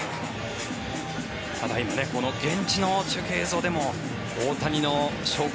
ただ今ね、現地の中継映像でも大谷の紹介